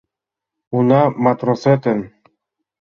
Уна матросетын...